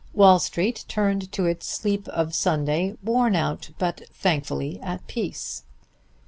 Wall Street turned to its sleep of Sunday, worn out but thankfully at peace.